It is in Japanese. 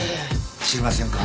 知りませんか？